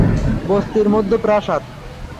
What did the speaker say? বস্তির মধ্যে প্রাসাদ।